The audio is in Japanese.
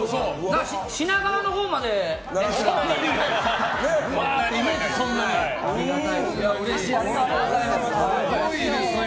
品川のほうまでいるんですよ。